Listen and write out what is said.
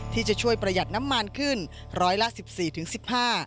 ที่จะช่วยประหยัดน้ำมันขึ้นร้อยละ๑๔๑๕